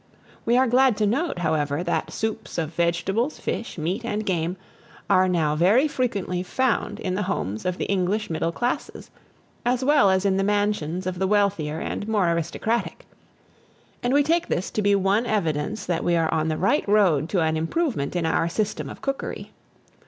We are glad to note, however, that soups of vegetables, fish, meat, and game, are now very frequently found in the homes of the English middle classes, as well as in the mansions of the wealthier and more aristocratic; and we take this to be one evidence, that we are on the right road to an improvement in our system of cookery.